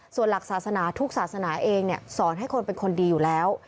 ส่วนหลักศาสนาทุกศาสนาเองสอนให้คนเป็นคนดีอยู่แล้ว